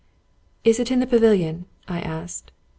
" Is it in the pavilion ?" I asked.